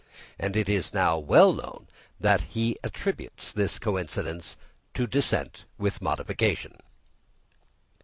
And it is now well known that he attributes this coincidence to descent with modification.